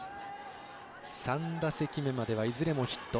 ３打席目まではいずれもヒット。